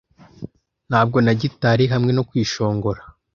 ntabwo na gitari hamwe no kwishongora